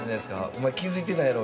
お前、気づいてないだろ